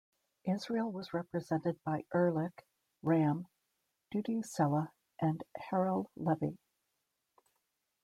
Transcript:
Israel was represented by Erlich, Ram, Dudi Sela, and Harel Levy.